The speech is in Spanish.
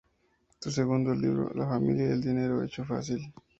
Su segundo libro, "La Familia y el Dinero ¡Hecho Fácil!